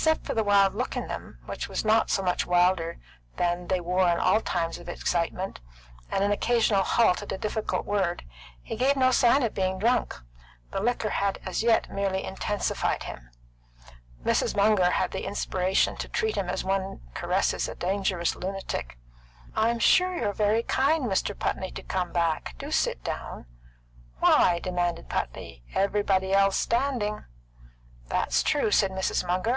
Except for the wild look in them, which was not so much wilder than they wore in all times of excitement, and an occasional halt at a difficult word, he gave no sign of being drunk. The liquor had as yet merely intensified him. Mrs. Munger had the inspiration to treat him as one caresses a dangerous lunatic. "I'm sure you're very kind, Mr. Putney, to come back. Do sit down!" "Why?" demanded Putney. "Everybody else standing." "That's true," said Mrs. Munger.